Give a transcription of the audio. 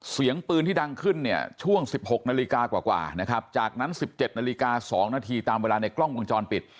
เสียงปืนที่ดังขึ้นเนี่ยช่วง๑๖นาฬิกากว่านะครับจากนั้น๑๗นาฬิกา๒นาทีตามเวลาในกล้องวงจรปิด